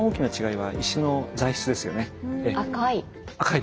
赤い。